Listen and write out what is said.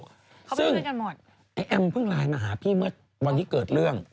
เขาไปด้วยกันหมดซึ่งไอ้แอมเพิ่งไลน์มาหาพี่เมื่อวันนี้เกิดเรื่อง